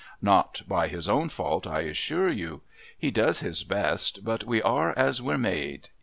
Not by his own fault I assure you. He does his best, but we are as we're made...